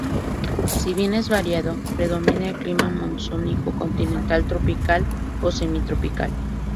Si bien es variado, predomina el clima monzónico continental, tropical o semitropical.